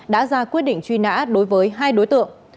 đã ra quyết định truy nã đối với hai đối tượng